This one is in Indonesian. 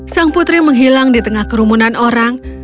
sang putri menghilang di tengah kerumunan orang